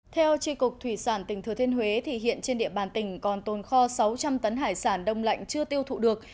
theo tri cục thủy sản tỉnh thừa thiên huế thì hiện trên địa bàn tỉnh còn tồn kho sáu trăm linh tấn hải sản đông lạnh chưa tiêu thụ được